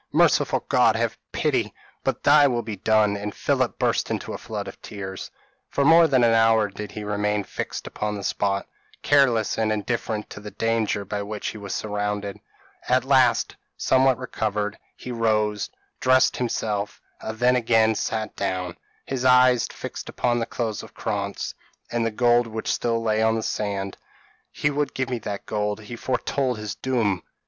Merciful God! have pity but thy will be done;" and Philip burst into a flood of tears. For more than an hour did he remain fixed upon the spot, careless and indifferent to the danger by which he was surrounded. At last, somewhat recovered, he rose, dressed himself, and then again sat down his eyes fixed upon the clothes of Krantz, and the gold which still lay on the sand. "He would give me that gold. He foretold his doom.